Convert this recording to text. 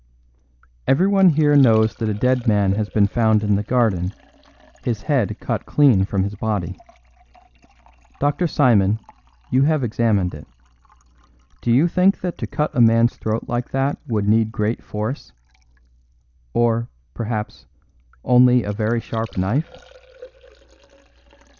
"Everyone here knows that a dead man has been found in the garden, his head cut clean from his body. Dr. Simon, you have examined it. Do you think that to cut a man's throat like that would need great force? Or, perhaps, only a very sharp knife?"